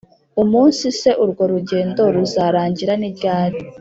Umunsi se urwo rugendo ruzarangira ni ryari